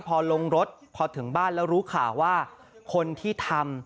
แสดงว่าเขามองถึงไม่ใช่มองถึงนี่นี่นะ